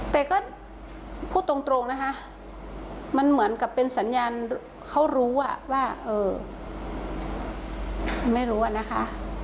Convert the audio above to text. แต่ก็พูดตรงนะคะมันเหมือนกับเป็นสัญญาณเขารู้ว่าไม่รู้อะนะคะ